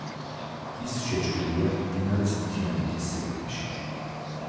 ის შეჭრილია დინარის მთიანეთის სიღრმეში.